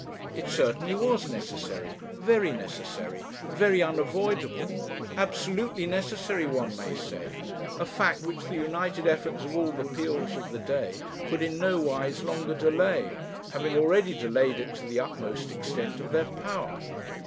It certainly was necessary, very necessary, very unavoidable; absolutely necessary one may say; a fact, which the united efforts of all the Peels of the day could in nowise longer delay, having already delayed it to the utmost extent of their power.